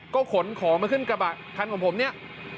ก็ขนของมาขึ้นกระบะคันของผมเนี่ย